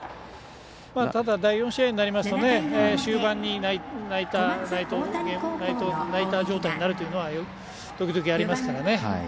ただ、第４試合になりますと終盤にナイター状態になるというのは時々ありますからね。